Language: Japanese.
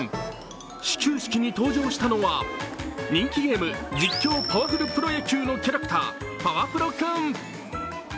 始球式に登場したのは人気ゲーム「実況パワフルプロ野球」のキャラクター、パワプロくん。